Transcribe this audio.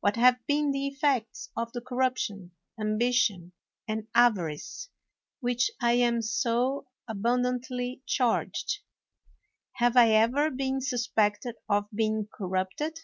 What have been the effects of the corruption, ambition, and avarice with which I am so abundantly charged ? Have I ever been suspected of being cor rupted?